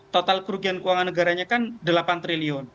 total kerugian keuangan negaranya kan delapan triliun